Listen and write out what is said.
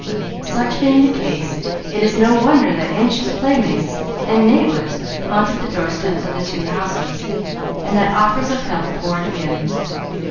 Such being the case, it is no wonder that anxious playmates and neighbors haunted the doorsteps of the two houses, and that offers of help poured in.